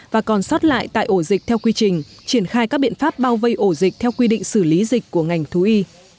và còn sót lại tại ổ dịch theo quy trình triển khai các biện pháp bao vây ổ dịch theo quy định xử lý dịch của ngành thú y